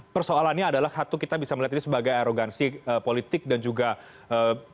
persoalannya adalah satu kita bisa melihat ini sebagai arogansi politik dan juga ee